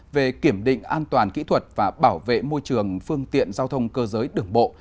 về kiểm định an toàn kỹ thuật và bảo vệ môi trường phương tiện giao thông cơ giới đường bộ